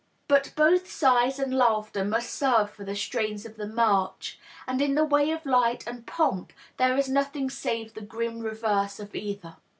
But ]S)th sighs and laughter must serve for the strains of the march, and in the way of light and pomp there is nothing save the grim reverse of either.